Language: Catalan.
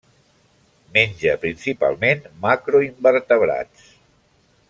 Menja principalment macroinvertebrats.